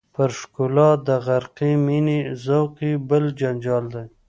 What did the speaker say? پر ښکلا د غرقې مینې ذوق یې بل جنجال دی.